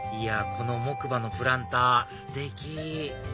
この木馬のプランターステキ！